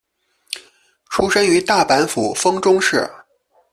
出身于大阪府丰中市。